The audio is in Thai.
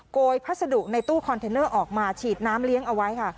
ยพัสดุในตู้คอนเทนเนอร์ออกมาฉีดน้ำเลี้ยงเอาไว้ค่ะ